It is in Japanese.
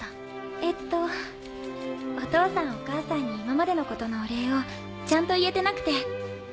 えっと「お父さんお母さんに今までのことのお礼をちゃんと言えてなくて。